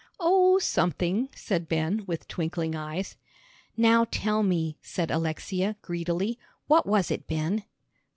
"Oh, something," said Ben, with twinkling eyes. "Now tell me," said Alexia, greedily. "What was it, Ben?"